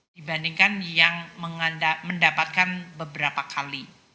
dibandingkan yang mendapatkan beberapa kali